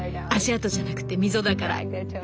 足跡じゃなくて溝だから。